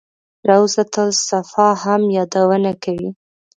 روضته الصفا هم یادونه کوي.